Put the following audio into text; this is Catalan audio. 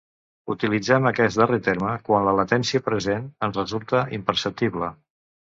Utilitzem aquest darrer terme quan la latència present ens resulta imperceptible.